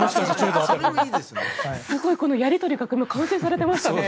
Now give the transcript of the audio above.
やり取りが完成されてましたね。